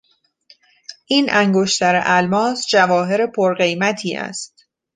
این انگشتر الماس، جواهر پر قیمتی است.